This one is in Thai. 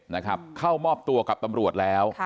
นะครับเข้ามอบตัวกับตำรวจแล้ว